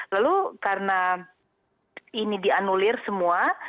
lalu karena ini dianulir semua